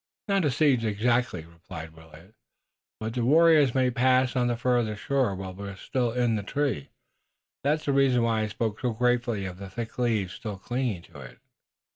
"Not a siege exactly," replied Willet, "but the warriors may pass on the farther shore, while we're still in the tree. That's the reason why I spoke so gratefully of the thick leaves still clinging to it."